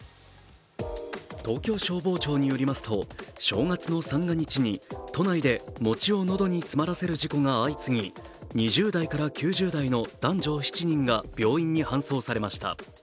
東京消防庁によりますと、正月の三が日に都内で餅を喉に詰まらせる事故が相次ぎ２０代から９０代の男女７人が病院に搬送されました。